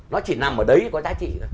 nó chỉ nằm ở đấy có giá trị